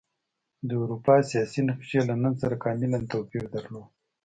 د اروپا سیاسي نقشې له نن سره کاملا توپیر درلود.